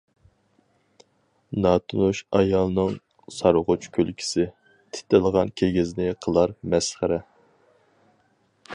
ناتونۇش ئايالنىڭ سارغۇچ كۈلكىسى، تىتىلغان كىگىزنى قىلار مەسخىرە.